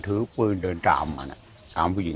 แต่แล้วก็ไม่รู้ว่ามันกลับตอนไหน